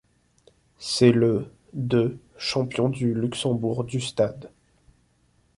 C'est le de champion du Luxembourg du Stade.